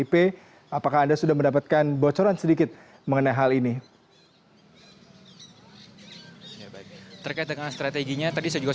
bupati ngawi yang dapatkan bocoran sedikit mengenai hal ini terkait dengan strateginya tadi juga